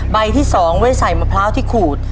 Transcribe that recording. ใบที่๒ไว้ใส่มะพร้าวที่ขูด